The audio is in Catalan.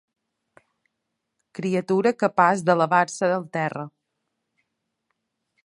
Criatura capaç d'elevar-se del terra.